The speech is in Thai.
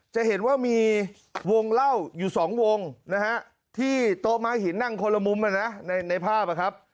จะเห็นว่ามีวงเล่าอยู่๒วงนะฮะที่โต๊ะม้าหินนั่งคนละมุมในภาพนะครับ